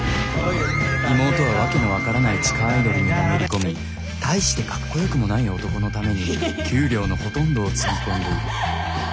妹は訳の分からない地下アイドルにのめり込み大してかっこよくもない男のために給料のほとんどをつぎ込んでいる。